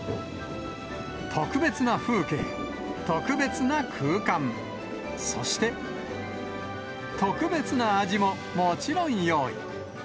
特別な風景、特別な空間、そして、特別な味ももちろん用意。